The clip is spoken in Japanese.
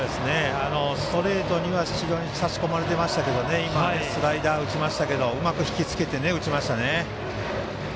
ストレートには差し込まれていましたが今、スライダーを打ちましたがうまくひきつけて打ちましたね。